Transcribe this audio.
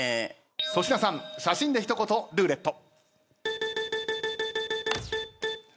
粗品さん写真で一言ルーレット。